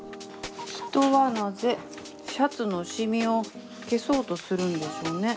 人はなぜシャツのシミを消そうとするんでしょうね。